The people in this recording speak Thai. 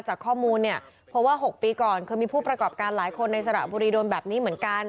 จากข้อมูลเนี่ยเพราะว่า๖ปีก่อนเคยมีผู้ประกอบการหลายคนในสระบุรีโดนแบบนี้เหมือนกัน